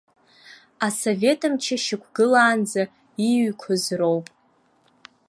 Асовет мчы шьақәгылаанӡа ииҩқәаз роуп.